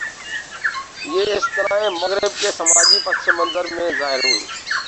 یہ اصطلاحیں مغرب کے سماجی پس منظر میں ظاہر ہوئیں۔